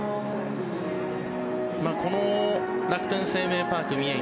この楽天生命パーク宮城